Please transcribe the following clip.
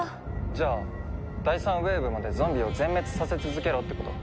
じゃあ第３ウェーブまでゾンビを全滅させ続けろってこと？